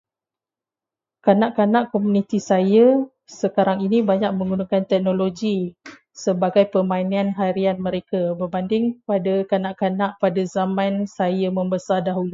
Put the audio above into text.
Kanak-kanak komuniti saya sekarang ini banyak menggunakan teknologi sebagai permainan harian mereka. Berbanding pada kanak-kanak pada zaman saya membesar dahulu.